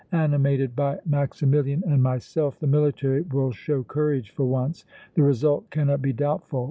Animated by Maximilian and myself, the military will show courage for once. The result cannot be doubtful.